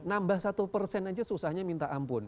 nambah satu persen aja susahnya minta ampun